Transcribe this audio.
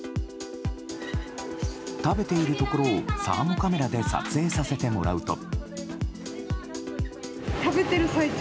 食べているところをサーモカメラで撮影させてもらうと。